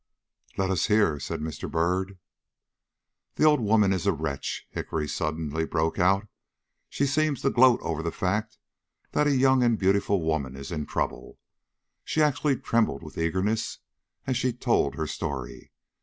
"Let us hear," said Mr. Byrd. "The old woman is a wretch," Hickory suddenly broke out. "She seems to gloat over the fact that a young and beautiful woman is in trouble. She actually trembled with eagerness as she told her story.